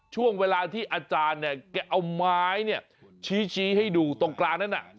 ช่วงเวลาที่อาจารย์เอาไม้ชี้ให้ดูตรงกลางนั้น